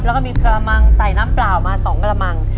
แล้วก็มีกระมังใส่น้ำเปล่ามา๒กระมัง